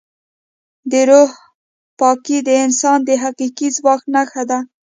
د روح پاکي د انسان د حقیقي ځواک نښه ده.